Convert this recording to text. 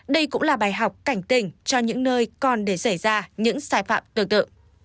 đây cũng là bài học cảnh tỉnh cho những nơi còn để xảy ra những sai phạm tương tự